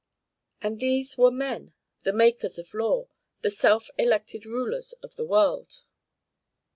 And these were men, the makers of law, the self elected rulers of the world.